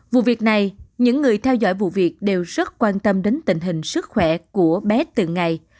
vụ việc này những người theo dõi vụ việc đều rất quan tâm đến tình hình sức khỏe của bé từng ngày